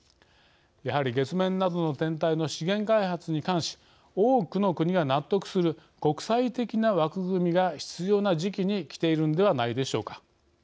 やはり、月面などの天体の資源開発に関し多くの国が納得する国際的な枠組みが必要な時期にきているんではないでしょうか。